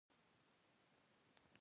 د کوکو بټر د څه لپاره وکاروم؟